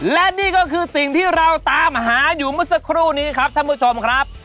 และนี่ก็คือสิ่งที่เราตามหาอยู่เมื่อสักครู่นี้ครับท่านผู้ชมครับ